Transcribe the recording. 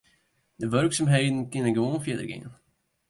De wurksumheden kinne gewoan fierder gean.